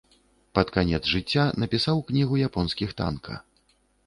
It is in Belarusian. Пад канец жыцця напісаў кнігу японскіх танка.